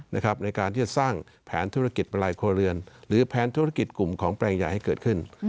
ในการที่จะสร้างแผนธุรกิจปลายครัวเรือนหรือแผนธุรกิจกลุ่มของแปลงใหญ่ให้เกิดขึ้น